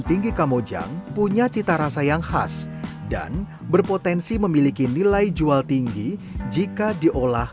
tinggi kamojang punya cita rasa yang khas dan berpotensi memiliki nilai jual tinggi jika diolah